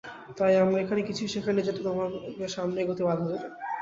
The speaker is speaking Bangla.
তাই আমরা এমন কিছুই শেখাইনি যেটা তোমাকে সামনে এগোতে বাধা দেবে।